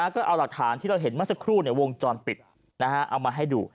ก็เอาหลักฐานที่เราเห็นเมื่อสักครู่วงจรปิดเอามาให้ดู